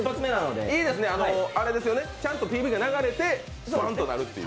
ちゃんとＰＶが流れてバーンとなるっていう。